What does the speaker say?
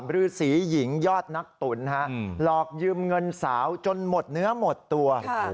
ฤษีหญิงยอดนักตุ๋นหลอกยืมเงินสาวจนหมดเนื้อหมดตัว